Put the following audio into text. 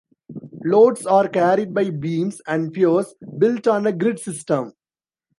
Loads are carried by beams and piers, built on a grid system.